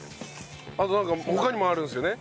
あとなんか他にもあるんですよね。